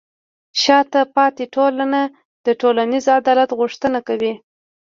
شاته پاتې ټولنه د ټولنیز عدالت غوښتنه کوي.